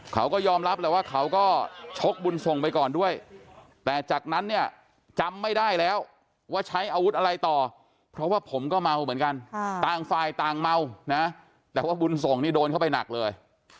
เขาก็ยอมรับแหละว่าเขาก็ชกบุญส่งไปก่อนด้วยแต่จากนั้นเนี่ยจำไม่ได้แล้วว่าใช้อาวุธอะไรต่อเพราะว่าผมก็เมาเหมือนกันต่างฝ่ายต่างเมานะแต่ว่าบุญส่งนี่โดนเข้าไปหนักเลย